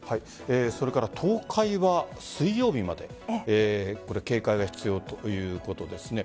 それから東海は水曜日まで警戒が必要ということですね。